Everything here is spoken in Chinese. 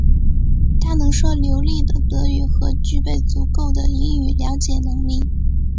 他能说流利的德语和具备足够的英语了解能力。